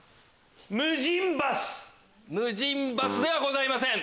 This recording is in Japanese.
無人バスではございません。